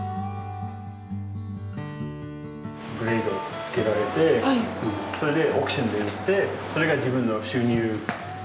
グレードをつけられてそれでオークションで売ってそれが自分の収入になってた。